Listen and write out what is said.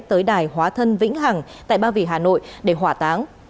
tới đài hóa thân vĩnh hằng tại ba vì hà nội để hỏa táng